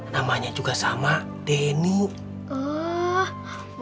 namanya juga sama denny